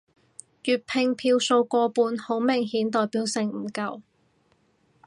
粵拼票數過半好明顯代表性唔夠